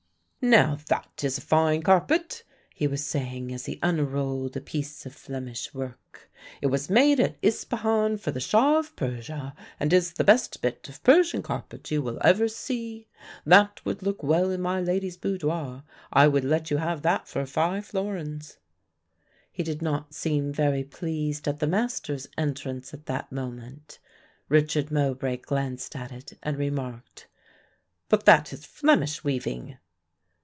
"Now that is a fine carpet," he was saying as he unrolled a piece of Flemish work. "It was made at Ispahan for the Shah of Persia and is the best bit of Persian carpet you will ever see. That would look well in my lady's boudoir. I would let you have that for five florins." He did not seem very pleased at the master's entrance at that moment; Richard Mowbray glanced at it and remarked, "But that is Flemish weaving."